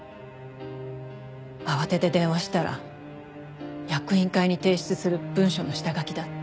慌てて電話したら役員会に提出する文書の下書きだって。